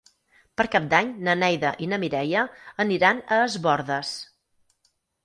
Per Cap d'Any na Neida i na Mireia aniran a Es Bòrdes.